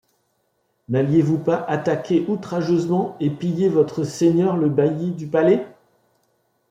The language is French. N’alliez-vous pas attaquer outrageusement et piller votre seigneur le bailli du Palais ?